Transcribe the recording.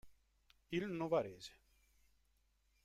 Il Novarese.